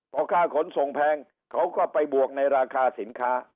พอค่าขนส่งแพงเขาก็ไปบวกในราคาสินค้า